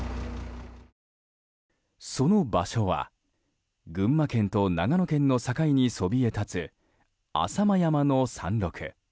その場所は群馬県と長野県の境にそびえ立つ浅間山の山麓。